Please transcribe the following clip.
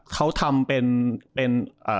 เขาทำเป็น